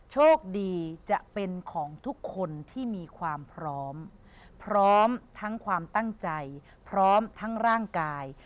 โชคดีจะเป็นของทุกคนที่มีความพร้อมพร้อมทั้งความตั้งใจพร้อมทั้งร่างกาย